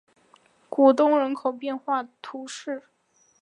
古东人口变化图示